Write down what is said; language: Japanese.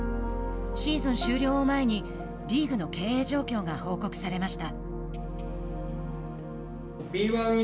シーズン終了を前にリーグの経営状況が報告されました。